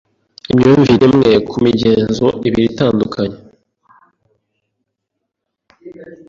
imyumvire imwe ku migenzo ibiri itandukanye